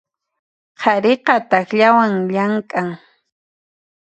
Qhariqa takllawan llamk'an.